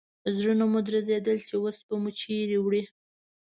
زړونه مو درزېدل چې اوس به مو چیرې وړي.